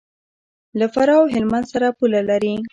له فراه او هلمند سره پوله لري.